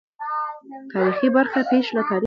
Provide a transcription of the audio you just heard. تاریخي برخه پېښې له تاریخه څېړي.